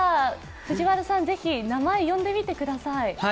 藤原さん、是非、名前読んでみてください。